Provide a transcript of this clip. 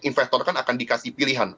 investor kan akan dikasih pilihan